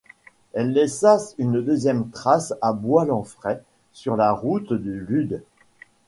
Elle laissa une deuxième trace à Bois-Lanfray sur la route du Lude.